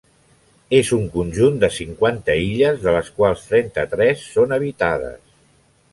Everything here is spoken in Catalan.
És un conjunt de cinquanta illes, de les quals trenta-tres són habitades.